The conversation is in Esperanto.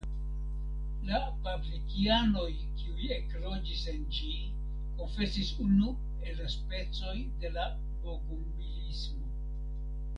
La Pavlikianoj kiuj ekloĝis en ĝi konfesis unu el la specoj de la Bogumilismo.